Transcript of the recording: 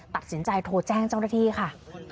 ตัดสินใจโทรแจ้งเจ้าหน้าที่ค่ะ